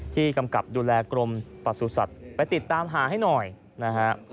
ที่กำกับดูแลกรมประสูจน์สัตว์ไปติดตามหาให้หน่อยนะครับ